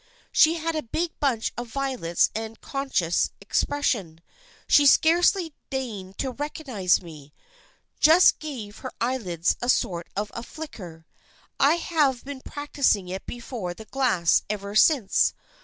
She had a big bunch of violets and a conscious expression. She scarcely deigned to recognize me. Just gave her eyelids a sort of a flicker. I have been practicing it before the glass ever since.